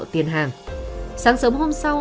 tiền hàng sáng sớm hôm sau